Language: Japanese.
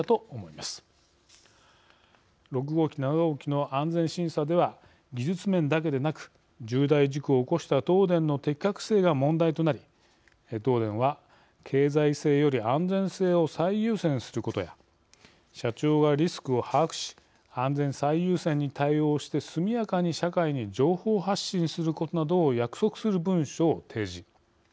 ６号機７号機の安全審査では技術面だけでなく重大事故を起こした東電の適格性が問題となり東電は経済性より安全性を最優先することや社長がリスクを把握し安全最優先に対応をして速やかに社会に情報発信することなどを約束する文書を提示。